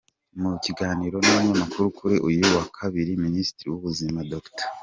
Mu kiganiro n’abanyamakuru kuri uyu wa Kabiri, Minisitiri w’Ubuzima, Dr.